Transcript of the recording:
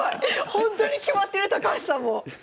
ほんとに決まってる高橋さんも！